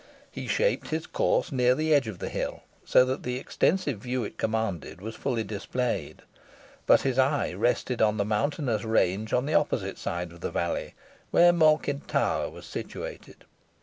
He shaped his course near the edge of the hill, so that the extensive view it commanded was fully displayed. But his eye rested on the mountainous range on the opposite side of the valley, where Malkin Tower was situated.